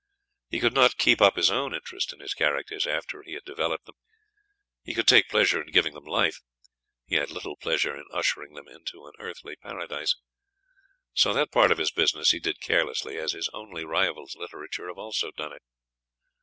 He could not keep up his own interest in his characters after he had developed them; he could take pleasure in giving them life, he had little pleasure in ushering them into an earthly paradise; so that part of his business he did carelessly, as his only rivals in literature have also done it.